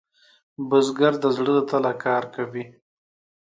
بزګر د زړۀ له تله کار کوي